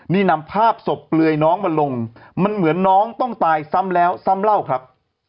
นี่นำภาพศพเปลือยน้องมาลงมันเหมือนน้องต้องตายซ้ำแล้วซ้ำเล่าครับ